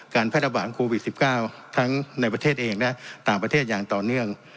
แพร่ระบาดโควิด๑๙ทั้งในประเทศเองและต่างประเทศอย่างต่อเนื่อง